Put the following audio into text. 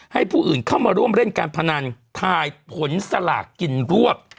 ให้ผู้อื่นเข้ามาร่วมเล่นการพนันทายผลสลากกินรวบ